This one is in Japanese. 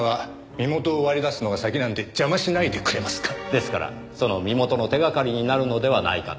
ですからその身元の手掛かりになるのではないかと。